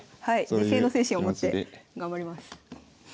自省の精神を持って頑張ります。